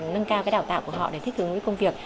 nâng cao cái đào tạo của họ để thích ứng với công việc